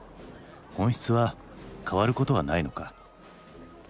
本質は変わることはないのか？